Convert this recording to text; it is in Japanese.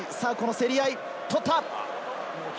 競り合い、取った。